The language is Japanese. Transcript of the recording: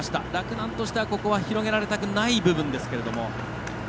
洛南としてはここは広げられたくない部分。